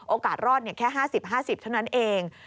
โอกาสรอดแค่๕๐๕๐เท่านั้นเอง